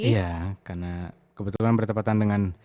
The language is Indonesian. iya karena kebetulan bertepatan dengan